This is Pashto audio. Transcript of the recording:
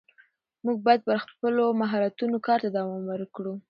موږ باید پر خپلو مهارتونو کار ته دوام ورکړو